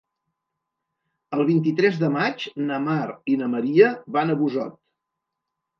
El vint-i-tres de maig na Mar i na Maria van a Busot.